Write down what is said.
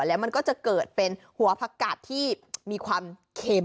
แล้วมันก็จะเกิดเป็นหัวผักกัดที่มีความเค็ม